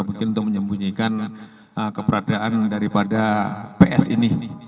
mungkin untuk menyembunyikan keberadaan daripada ps ini